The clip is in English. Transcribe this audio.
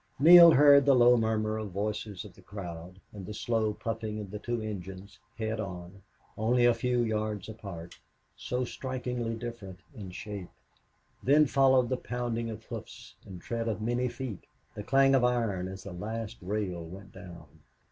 Neale heard the low murmur of voices of the crowd, and the slow puffing of the two engines, head on, only a few yards apart, so strikingly different in shape. Then followed the pounding of hoofs and tread of many feet, the clang of iron as the last rail went down.